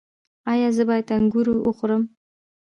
ایا زه باید انګور وخورم؟